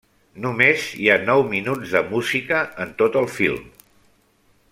Només hi ha nou minuts de música en tot el film.